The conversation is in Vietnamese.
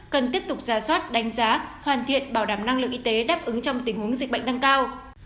cần tiếp tục ra soát đánh giá hoàn thiện bảo đảm năng lượng y tế đáp ứng trong tình huống dịch bệnh tăng cao